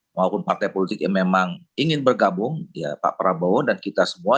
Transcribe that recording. maupun partai politik yang memang ingin bergabung ya pak prabowo dan kita semua